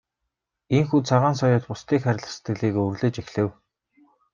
Ийнхүү Цагаан соёот бусдыг хайрлах сэтгэлийг өвөрлөж эхлэв.